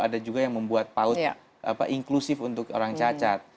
ada juga yang membuat paut inklusif untuk orang cacat